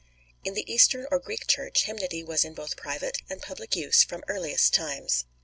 In the Eastern or Greek Church hymnody was in both private and public use from earliest times.